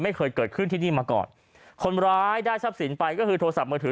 ไม่เคยเกิดขึ้นที่นี่มาก่อนคนร้ายได้ทรัพย์สินไปก็คือโทรศัพท์มือถือ